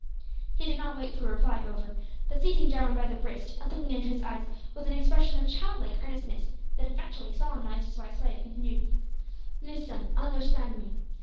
He did not wait for a reply, however, but seizing Jarwin by the wrist, and looking into his eyes with an expression of child like earnestness that effectually solemnised his white slave, continued, "Lissen, onderstan' me.